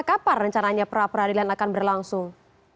kapan rencananya pra peradilan akan berlangsung